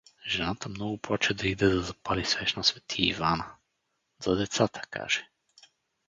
Жената много плаче да иде да запали свещ на свети Ивана… За децата, каже.